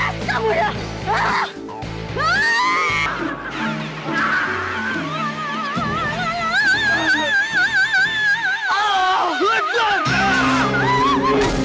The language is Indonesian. apa yang terjadi nasi sandari